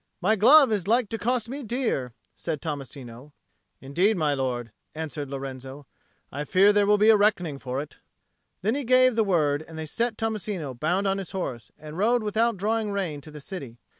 "My glove is like to cost me dear," said Tommasino. "Indeed, my lord," answered Lorenzo, "I fear there will be a reckoning for it." Then he gave the word, and they set Tommasino bound on his horse, and rode without drawing rein to the city.